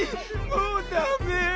もうダメ。